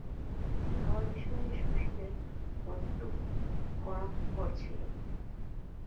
খাওয়ার বিষয়ে সুশীলের বড়ো কড়াক্কড় ছিল।